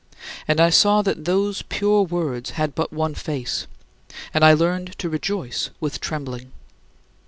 And I saw that those pure words had but one face, and I learned to rejoice with trembling.